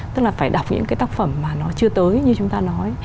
tức là phải đọc những cái tác phẩm mà nó chưa tới như chúng ta nói